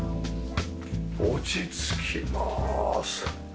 落ち着きます。